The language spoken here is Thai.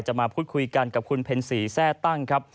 มาพูดคุยกันกับคุณเพ็ญศรีแทร่ตั้งครับ